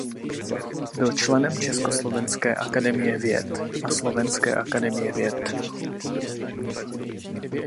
Byl členem Československé akademie věd a Slovenské akademie věd.